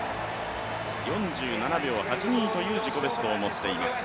４７秒８２という自己ベストを持っています。